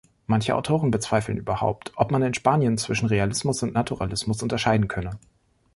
Manche Autoren bezweifeln überhaupt, ob man in Spanien zwischen Realismus und Naturalismus unterscheiden könne.